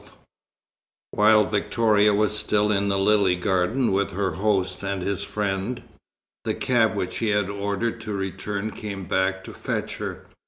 XII While Victoria was still in the lily garden with her host and his friend, the cab which she had ordered to return came back to fetch her.